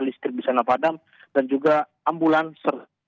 ln dan juga ambulanser